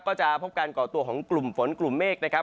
ก็จะพบการก่อตัวของกลุ่มฝนกลุ่มเมฆนะครับ